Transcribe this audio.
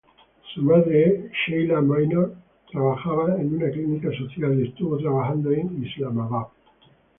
Su madre, Sheila Maynard, trabajaba en una clínica social y estuvo trabajando en Islamabad.